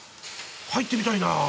入ってみたいなあ。